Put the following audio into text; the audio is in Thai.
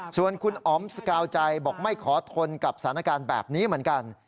ส่วนคุณอ๋อมสกาวใจบอกไม่ขอทนกับสถานการณ์แบบนี้เหมือนกัน